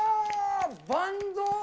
バンド？